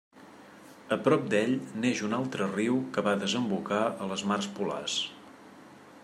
A prop d'ell neix un altre riu que va a desembocar a les mars polars.